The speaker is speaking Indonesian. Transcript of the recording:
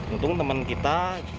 untung teman kita